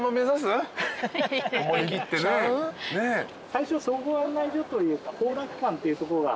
最初総合案内所というか。